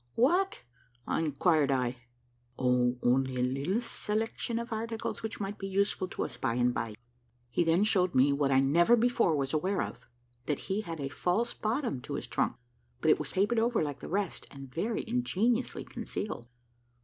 "What?" inquired I. "Oh, only a little selection of articles, which might be useful to us by and by." He then showed me what I never before was aware of; that he had a false bottom to his trunk; but it was papered over like the rest, and very ingeniously concealed.